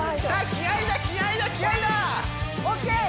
気合いだ気合いだＯＫ！